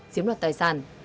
chiếm đoạt tài sản